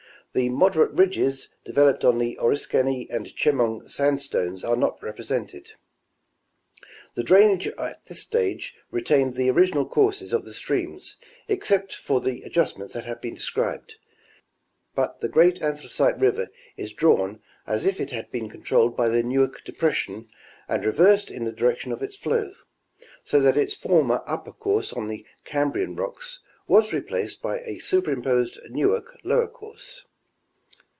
The moderate ridges developed on the Oriskany and Chemung sandstones are not represented. The drainage of this stage retained the original courses of the streams, except for the adjustments that have been described, but the great Anthracite river is drawn as if it had been controlled by the Newark depres sion and reversed in the direction of its flow, so that its former upper course on the Cambrian rocks was replaced by a superim posed Newark lower course.